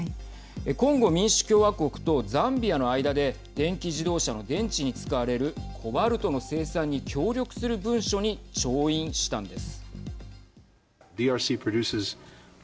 コンゴ民主共和国とザンビアの間で電気自動車の電池に使われるコバルトの生産に協力する文書に調印したんです。